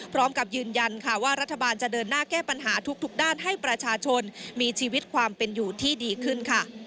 พร้อมกับยืนยันค่ะว่ารัฐบาลจะเดินหน้าแก้ปัญหาทุกด้านให้ประชาชนมีชีวิตความเป็นอยู่ที่ดีขึ้นค่ะ